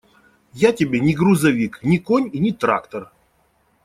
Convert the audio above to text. Я тебе не грузовик, не конь и не трактор.